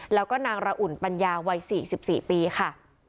แล้วก็นางระอุ่นปัญญาวัย๔๔ปีค่ะ